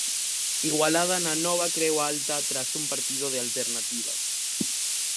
Igualada na Nova Creu Alta tras un partido de alternativas.